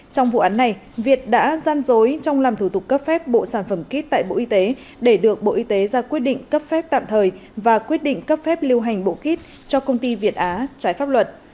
trong vụ án này việt đã gian dối trong làm thủ tục cấp phép bộ sản phẩm kit tại bộ y tế để được bộ y tế ra quyết định cấp phép tạm thời và quyết định cấp phép lưu hành bộ kit cho công ty việt á trái pháp luật